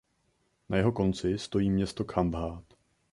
Na jeho konci stojí město Khambhát.